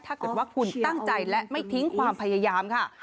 ถ้าเกิดว่าคุณตั้งใจและไม่ทิ้งความพยายามค่ะ